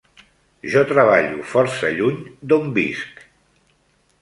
Jo treballo força lluny d'on visc.